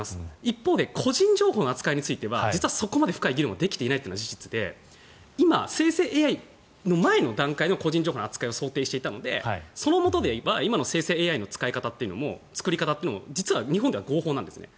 個人情報の扱いはそこまで議論ができていなくて今、生成ＡＩの前の段階の個人情報の扱いを想定していたので、そのもとでは今の生成ＡＩの作り方というのも実は日本では合法なんですね。